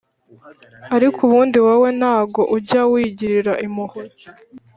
ariko ubundi wowe ntago ujya wigirira impuhwe